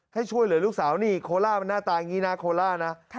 ให้ช่วยเหลือลูกสาวนี่โคล่ามันหน้าตาอย่างนี้นะโคล่านะ